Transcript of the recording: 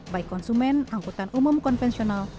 baik konsumen angkutan umum konvensional